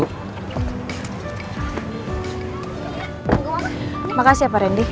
terima kasih ya pak randy